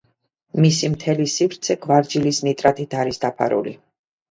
მისი მთელი სივრცე გვარჯილის ნიტრატით არის დაფარული.